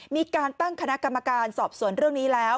มีการตั้งคณะกรรมการสอบสวนเรื่องนี้แล้ว